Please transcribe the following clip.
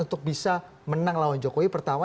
untuk bisa menang lawan jokowi pertama